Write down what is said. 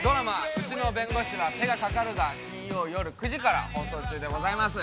「うちの弁護士は手がかかる」が金曜夜９時から放送中です。